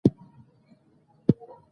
ده د زور پر ځای قناعت کاراوه.